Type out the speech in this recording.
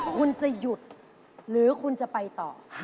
คุณจะหยุดหรือคุณจะไปต่อ